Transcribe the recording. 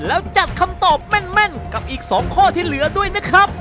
แล้วจัดคำตอบแม่นกับอีก๒ข้อที่เหลือด้วยนะครับ